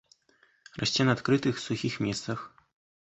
Расце на адкрытых, сухіх месцах.